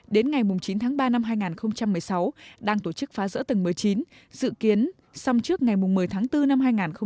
đến ngày chín tháng ba năm hai nghìn một mươi sáu đang tổ chức phá rỡ tầng một mươi chín dự kiến xong trước ngày một mươi tháng bốn năm hai nghìn hai mươi